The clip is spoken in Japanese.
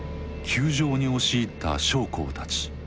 宮城に押し入った将校たち。